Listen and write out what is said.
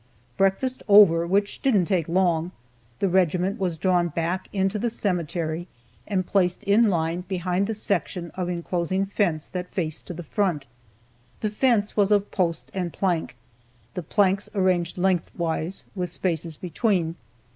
Breakfast over (which didn't take long), the regiment was drawn back into the cemetery, and placed in line behind the section of inclosing fence that faced to the front. The fence was of post and plank, the planks arranged lengthwise, with spaces between.